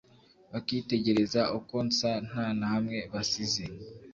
bakitegereza uko nsa nta na hamwe basize